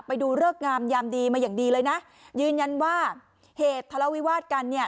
ไปดูเลิกงามยามดีมาอย่างดีเลยนะยืนยันว่าเหตุทะเลาวิวาสกันเนี่ย